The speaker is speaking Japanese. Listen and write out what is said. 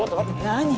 何？